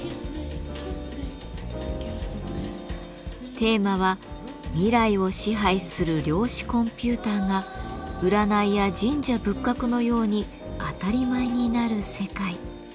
テーマは「未来を支配する量子コンピューターが占いや神社仏閣のように当たり前になる世界」。